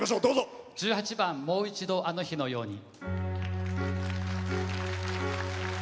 １８番「もう一度あの日のように」。